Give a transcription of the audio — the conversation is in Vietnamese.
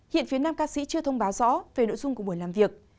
hiện phía nam ca sĩ chưa thông báo rõ về nội dung của buổi làm việc